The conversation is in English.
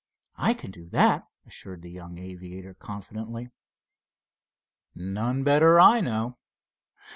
"I can do that," assured the young aviator, confidently. "None better, I know.